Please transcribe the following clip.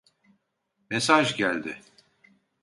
Mesaj geldi.